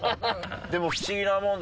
でも不思議なもんで。